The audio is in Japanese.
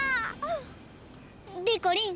でこりん！